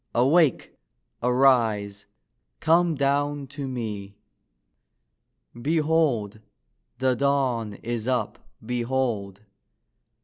Awake! arise! come down to me! Behold! the Dawn is up: behold!